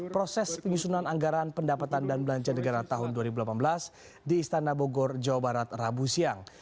proses penyusunan anggaran pendapatan dan belanja negara tahun dua ribu delapan belas di istana bogor jawa barat rabu siang